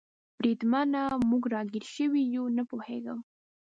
بریدمنه، موږ را ګیر شوي یو؟ نه پوهېږم.